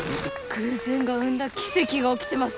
偶然が生んだ奇跡が起きてます